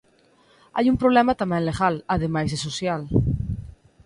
Hai un problema tamén legal, ademais de social.